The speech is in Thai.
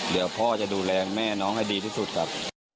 เดี๋ยวพ่อจะดูแลแม่น้องให้ดีที่สุดครับ